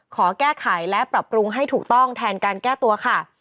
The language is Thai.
ขอแก้ไขและปรับปรุงให้ถูกต้องแทนการแก้ตัวค่ะ